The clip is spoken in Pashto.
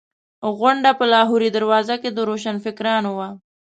غونډه په لاهوري دروازه کې د روشنفکرانو وه.